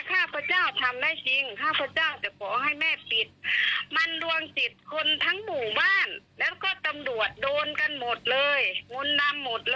ข้าพเจ้าจะมียาให้แก้ใครทำพิธีขอขมา